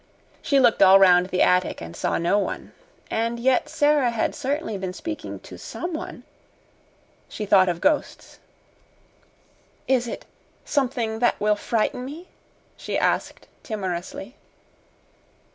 She looked all round the attic and saw no one. And yet Sara had certainly been speaking TO someone. She thought of ghosts. "Is it something that will frighten me?" she asked timorously.